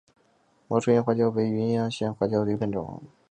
毛椿叶花椒为芸香科花椒属下的一个变种。